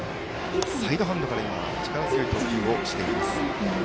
サイドハンドからインへの力強い投球をしています。